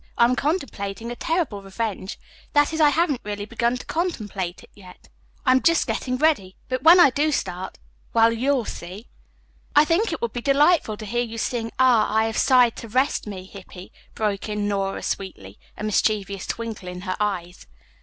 I am contemplating a terrible revenge. That is, I haven't really begun to contemplate it yet. I am just getting ready. But when I do start well, you'll see." "I think it would be delightful to hear you sing, 'Ah, I Have Sighed to Rest Me,' Hippy," broke in Nora sweetly, a mischievous twinkle in her eyes.